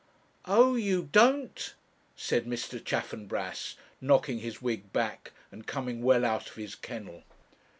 'Oh, you don't!' said Mr. Chaffanbrass, knocking his wig back, and coming well out of his kennel.